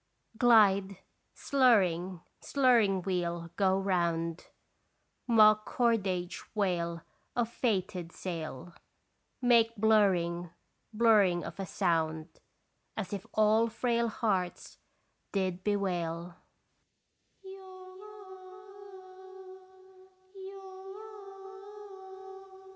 Glide, slurring, slurring wheel, go round, Mock cordage wail of fated sail Make blurring, blurring of a sound As if all frail hearts did bewail.